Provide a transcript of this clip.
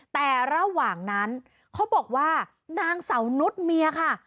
แต่ระหว่างนั้นเขาบอกว่านางเสานุษย์เมียค่ะ